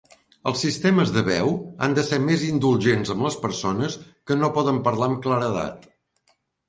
Els sistemes de veu han de ser més indulgents amb les persones que no poden parlar amb claredat.